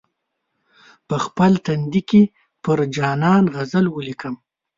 په خپل تندي کې پر جانان غزل ولیکم.